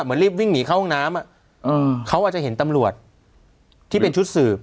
รีบวิ่งหนีเข้าห้องน้ำเขาอาจจะเห็นตำรวจที่เป็นชุดสืบ